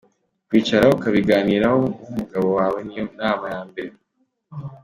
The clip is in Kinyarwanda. Kwicara ukabiganiraho n’umugabo wawe niyo nama ya mbere.